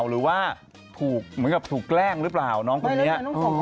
หรือว่าถูกแกล้งหรือเปล่าน้องคนนี้